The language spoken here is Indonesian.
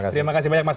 terima kasih banyak mas